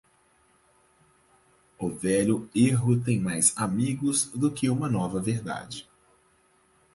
O velho erro tem mais amigos do que uma nova verdade.